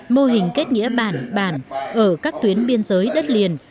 mô hình kết nghĩa bản bản ở các tuyến biên giới đất liền